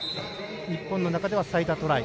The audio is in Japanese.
日本の中では最多トライ。